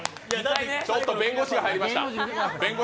ちょっと弁護士が入りました。